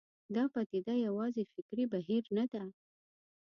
دا پدیده یوازې فکري بهیر نه ده.